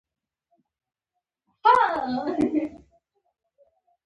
خو ورځ يې راغله چې خپله یې